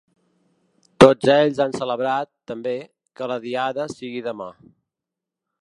Tots ells han celebrat, també, que la diada sigui demà.